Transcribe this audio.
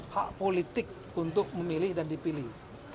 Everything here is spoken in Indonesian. hak politik untuk memilih dan dipilih